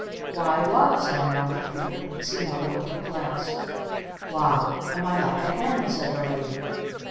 "Why what?" said our Uncle Peter. He seemed a little perplexed. "Why am I like a Hen?" said the Lady.